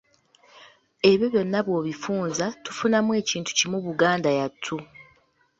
Ebyo byonna bw’obifunza tufunamu ekintu kimu Buganda yattu.